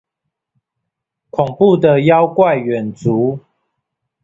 恐怖的妖怪遠足